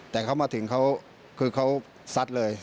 แต่เขามาถึงเขาคือเขาซัดเลย